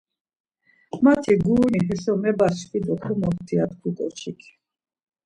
Mati guruni heşo mebaşkvi do komopti ya tku ǩoçik.